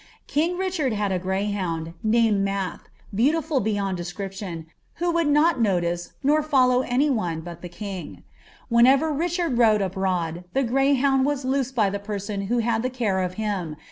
King Richard liad a named Math, beautiful beyond description, who would ihh follow any one, but the king. Whenever Hichard rode abftMd, tkt greyhound was loosed by the person who had the care irf him.